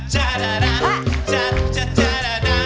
เอามาเชิญเลยครับ